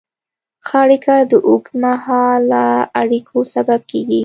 ښه اړیکه د اوږدمهاله اړیکو سبب کېږي.